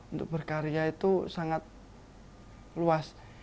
untuk berkarya itu sangat luas